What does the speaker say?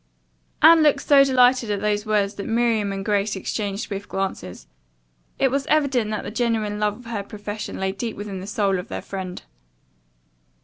Anne looked so delighted at those words that Miriam and Grace exchanged swift glances. It was evident that the genuine love of her profession lay deep within the soul of their friend.